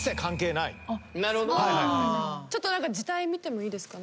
ちょっと字体見てもいいですか？